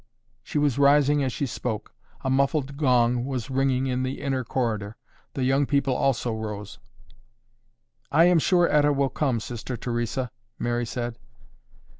She was rising as she spoke. A muffled gong was ringing in the inner corridor. The young people also rose. "I am sure Etta will come, Sister Theresa," Mary said.